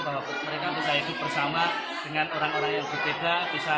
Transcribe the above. bahwa mereka untuk bisa hidup bersama dengan orang orang yang berbeda